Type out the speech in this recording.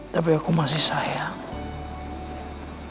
tapi aku masih sayang